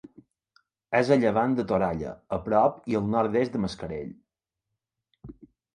És a llevant de Toralla, a prop i al nord-est de Mascarell.